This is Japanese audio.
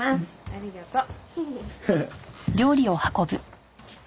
ありがとう。